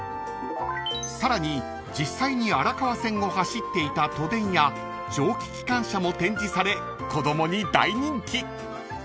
［さらに実際に荒川線を走っていた都電や蒸気機関車も展示され子供に大人気］